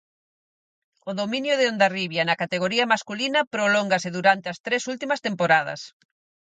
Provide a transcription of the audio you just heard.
O dominio de Hondarribia na categoría masculina prolóngase durante as tres últimas temporadas.